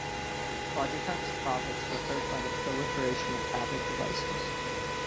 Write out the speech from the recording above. Logitech's profits were hurt by the proliferation of tablet devices.